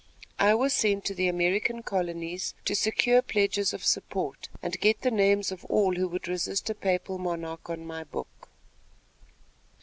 I was sent to the American colonies to secure pledges of support, and get the names of all who would resist a papal monarch on my book.